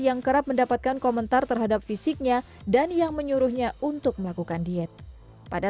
yang kerap mendapatkan komentar terhadap fisiknya dan yang menyuruhnya untuk melakukan diet pada